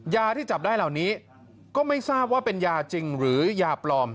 ที่จับได้เหล่านี้ก็ไม่ทราบว่าเป็นยาจริงหรือยาปลอม